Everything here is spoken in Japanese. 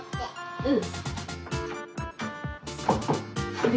うん。